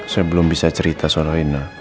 saya belum bisa cerita soal ena